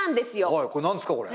はいこれ何ですかこれ。